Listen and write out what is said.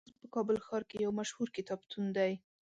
اکسوس په کابل ښار کې یو مشهور کتابتون دی .